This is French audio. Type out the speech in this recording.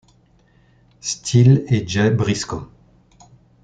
Styles et Jay Briscoe.